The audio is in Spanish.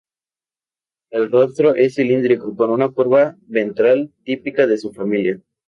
El rostro es cilíndrico, con la curva ventral típica de su familia.